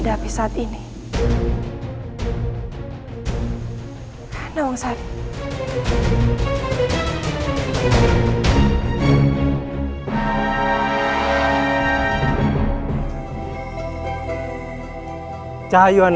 dia pasti mau menipuku